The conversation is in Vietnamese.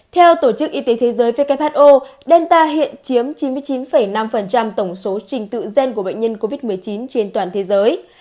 theo tổ chức y tế thế giới who delta hiện chiếm chín mươi chín năm tổng số trình tự gen của bệnh nhân covid một mươi chín trên toàn thế giới